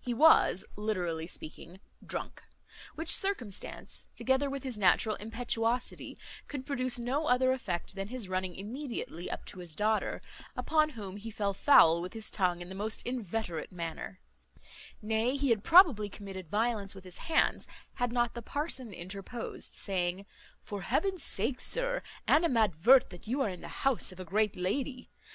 He was, literally speaking, drunk; which circumstance, together with his natural impetuosity, could produce no other effect than his running immediately up to his daughter, upon whom he fell foul with his tongue in the most inveterate manner; nay, he had probably committed violence with his hands, had not the parson interposed, saying, "For heaven's sake, sir, animadvert that you are in the house of a great lady.